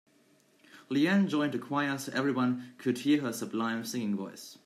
Leanne joined a choir so everyone could hear her sublime singing voice.